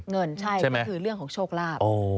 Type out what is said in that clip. เงินใช่ไหมนี่คือเรื่องของโชคลาบ